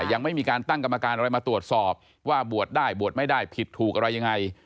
ยังไม่มีการตั้งกรรมการอะไรมาตรวจสอบว่าบวชได้บวชไม่ได้ผิดถูกอะไรยังไง